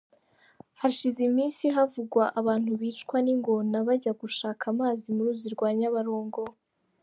Hashize iminsi havugwa abantu bicwa n'ingona bajya gushaka amazi mu ruzi rwa Nyabarongo.